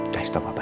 jangan stop papa